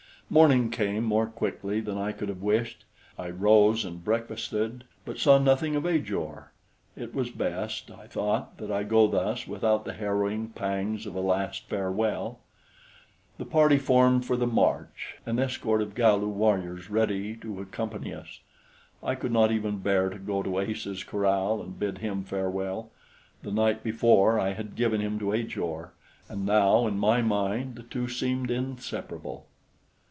Morning came more quickly than I could have wished. I rose and breakfasted, but saw nothing of Ajor. It was best, I thought, that I go thus without the harrowing pangs of a last farewell. The party formed for the march, an escort of Galu warriors ready to accompany us. I could not even bear to go to Ace's corral and bid him farewell. The night before, I had given him to Ajor, and now in my mind the two seemed inseparable.